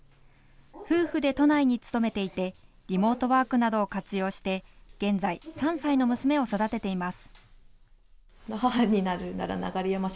夫婦で都内に勤めていてリモートワークなどを活用して現在、３歳の娘を育てています。